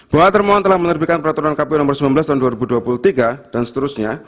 bahwa termohon telah menerbitkan peraturan kpu nomor sembilan belas tahun dua ribu dua puluh tiga dan seterusnya